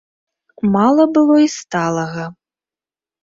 Мала было і сталага.